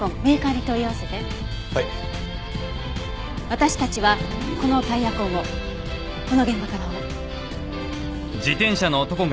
私たちはこのタイヤ痕をこの現場から追う。